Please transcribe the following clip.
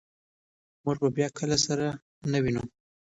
موږ به بیا کله هم سره نه وینو.